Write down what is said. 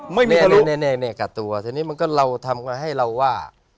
ไม่มีทะลุเนี่ยเนี่ยเนี่ยกับตัวทีนี้มันก็เราทำให้เราว่า